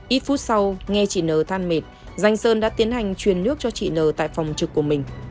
ít phút sau nghe chị nờ than mệt danh sơn đã tiến hành truyền nước cho chị n tại phòng trực của mình